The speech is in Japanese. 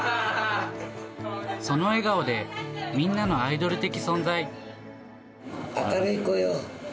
その笑顔でみんなのアイドル明るい子よ。